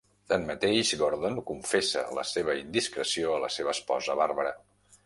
Tanmateix, Gordon confessa la seva indiscreció a la seva esposa Barbara.